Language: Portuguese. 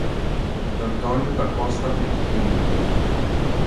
Antônio da Costa Virginio